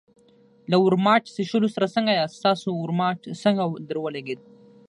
له ورماوټ څښلو سره څنګه یاست؟ ستاسو ورماوټ څنګه درولګېد؟